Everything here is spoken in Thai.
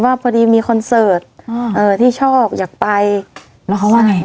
พอดีมีคอนเสิร์ตที่ชอบอยากไปแล้วเขาว่าไง